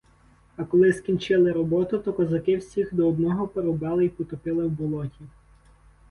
А коли скінчили роботу, то козаки всіх до одного порубали й потопили в болоті.